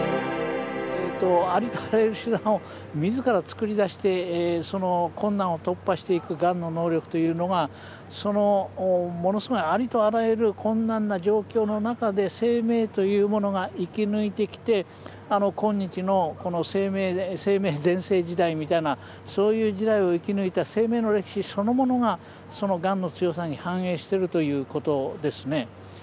ありとあらゆる手段を自ら作り出してその困難を突破していくがんの能力というのがそのものすごいありとあらゆる困難な状況の中で生命というものが生き抜いてきて今日のこの生命全盛時代みたいなそういう時代を生き抜いた生命の歴史そのものがそのがんの強さに反映しているということですね。